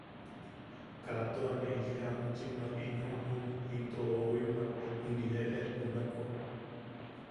Kaa tua ne ili jamuchimmak ino ujuʼun into oʼowimmak juniʼi eʼe junako.